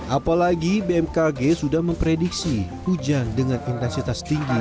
apalagi bmkg sudah memprediksi hujan dengan intensitas tinggi